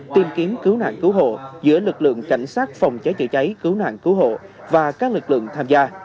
tìm kiếm cứu nạn cứu hộ giữa lực lượng cảnh sát phòng cháy chữa cháy cứu nạn cứu hộ và các lực lượng tham gia